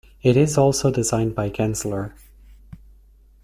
It is also designed by Gensler.